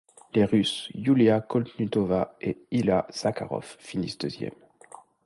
Les Russes Yulia Koltunova et Ilya Zakharov finissent deuxièmes.